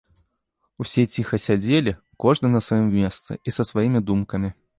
Усе ціха сядзелі, кожны на сваім месцы і са сваімі думкамі.